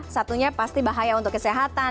satunya pasti bahaya untuk kesehatan